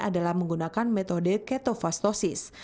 adalah menggunakan metode ketovastosis